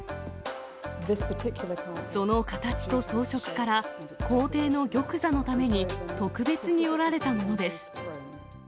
その形と装飾から皇帝の玉座のために特別に織られたものです。